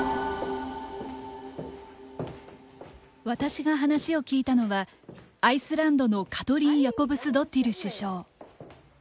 私が話を聞いたのはアイスランドのカトリン・ヤコブスドッティル首相。